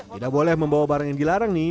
tidak boleh membawa barang yang dilarang nih